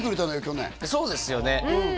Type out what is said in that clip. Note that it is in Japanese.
去年そうですよね